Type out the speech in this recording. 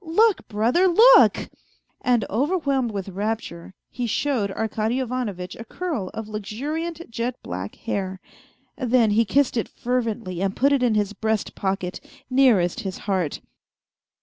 Look, brother, look !" And overwhelmed with rapture he showed Arkady Ivanovitch a curl of luxuriant, jet black hair ; then he kissed it fervently and put it in his breast pocket, nearest his heart.